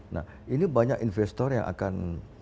nah ini banyak investor yang akan mencari potensi